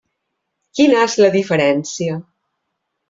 Quina és la diferència?